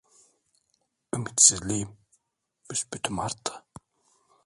Ümitsizliğim büsbütün arttı.